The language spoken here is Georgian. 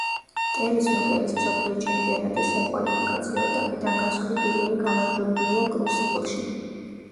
ტერი სნუკერის მსოფლიო ჩემპიონატის საკვალიფიკაციო ეტაპიდან გასული პირველი გამარჯვებულია კრუსიბლში.